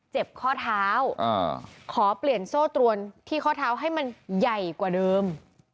ข้อเท้าขอเปลี่ยนโซ่ตรวนที่ข้อเท้าให้มันใหญ่กว่าเดิม